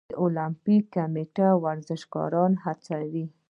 د المپیک کمیټه ورزشکاران هڅوي؟